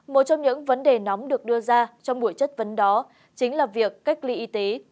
một trong những vấn đề nóng được đưa ra trong buổi chất vấn đó chính là việc cách ly y tế